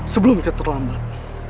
sebelum kita terlambat